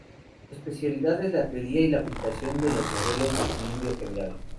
Su especialidad es la teoría y aplicación de los modelos de equilibrio general.